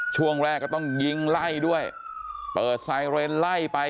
ช่วงแรกก็ต้องยิงไล่ด้วยเปิดไซเรนไล่ไป